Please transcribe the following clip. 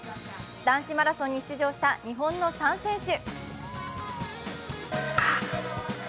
男子マラソンに出場した日本の３選手。